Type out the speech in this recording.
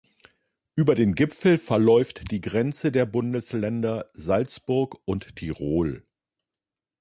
Über den Gipfel verläuft die Grenze der Bundesländer Salzburg und Tirol.